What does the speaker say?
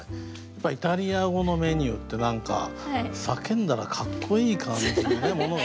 やっぱイタリア語のメニューって何か叫んだらかっこいい感じのものが多いんですよね。